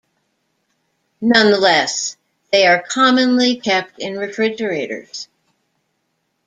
Nonetheless, they are commonly kept in refrigerators.